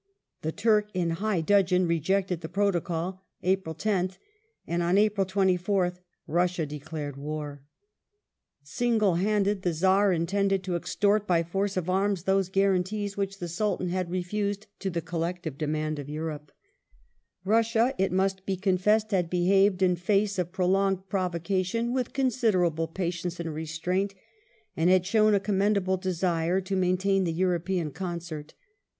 The Turk, in high dudgeon, rejected the Protocol (April 10th), and on April 24th Russia declared war. Single handed the Czar intended 1 Pari. Papers, Turkey, 1877 (No. i), p. 380. 458 THE NEW TORYISM [1874 to extort by force of arras those guarantees which the Sultan had refused to the collective demand of Europe. The Russia, it must be confessed, had behaved, in face of prolonged Turk?sh provocation, with considerable patience and restraint, and had War shown a commendable desire to maintain the European concert.